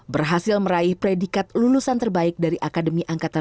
berhasil meraih predikat lulusan terbaik dari akademi angkatan